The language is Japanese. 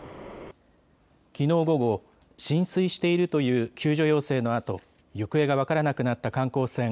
きのう午後、浸水しているという救助要請のあと行方が分からなくなった観光船